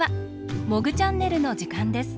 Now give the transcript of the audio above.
「モグチャンネル」のじかんです。